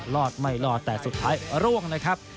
รอดไม่รอดแต่สุดท้ายร่วงนะครับ